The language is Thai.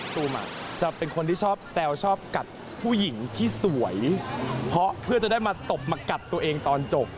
ตูมจะเป็นคนที่ชอบแซวชอบกัดผู้หญิงที่สวยเพราะเพื่อจะได้มาตบมากัดตัวเองตอนจบ